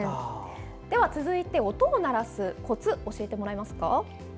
では、続いて音を鳴らすコツを教えてもらえますか？